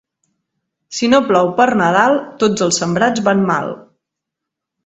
Si no plou per Nadal, tots els sembrats van mal.